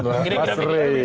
menurut mas rey